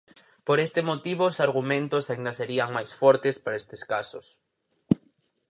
Por este motivo os argumentos aínda serían máis fortes para estes casos.